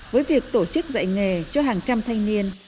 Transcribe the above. với việc tổ chức dạy nghề cho hàng trăm thanh niên